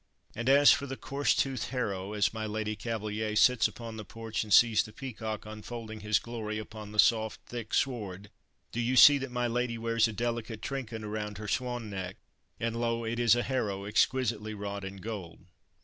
And as for the coarse toothed harrow as my Lady Cavaliere sits upon the porch and sees the peacock unfolding his glory upon the soft, thick sward, do you see that my lady wears a delicate trinket around her swan neck, and lo! it is a harrow exquisitely wrought in gold.